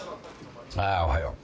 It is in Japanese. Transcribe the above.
ああおはよう。